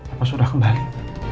apa sudah kembali